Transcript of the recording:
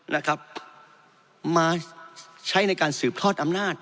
นะครับมาใช้ในการสืบทอดอำนาจ